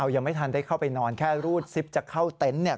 ยังไม่ทันได้เข้าไปนอนแค่รูดซิปจะเข้าเต็นต์เนี่ย